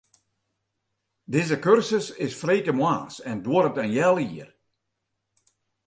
Dizze kursus is freedtemoarns en duorret in heal jier.